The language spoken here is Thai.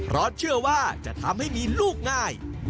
เพราะเชื่อว่าจะทำให้มีลูกง่าย